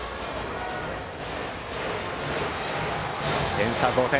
点差は５点。